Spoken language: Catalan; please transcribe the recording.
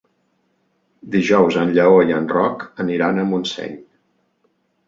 Dijous en Lleó i en Roc aniran a Montseny.